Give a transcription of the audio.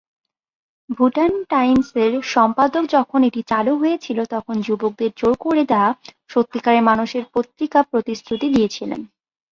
ভুটান টাইমসের সম্পাদক যখন এটি চালু হয়েছিল, তখন "যুবকদের জোর দেয়া সত্যিকারের মানুষের পত্রিকা" প্রতিশ্রুতি দিয়েছিলেন।